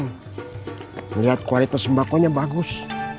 saya senang melihat kualitas sembakonya bagus